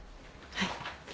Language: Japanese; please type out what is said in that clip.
はい。